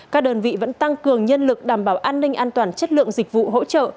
các đơn vị vẫn tăng cường nhân lực đảm bảo an ninh an toàn chất lượng dịch vụ hỗ trợ